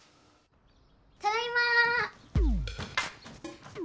ただいま！